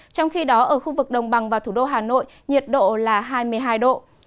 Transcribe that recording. trong khi đó ở khu vực đồng bằng và thủ đô hà nội nhiệt độ là hai mươi hai độ